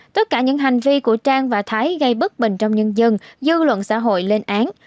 tất cả những hành vi của trang và thái gây bất bình trong nhân dân dư luận xã hội lên án